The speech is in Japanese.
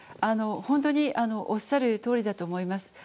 本当におっしゃるとおりだと思います。